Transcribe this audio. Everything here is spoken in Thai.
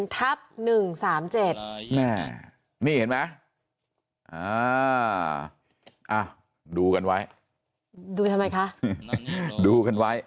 ๑ทับ๑๓๗นี่เห็นไหมดูกันไว้ดูทำไมคะดูกันไว้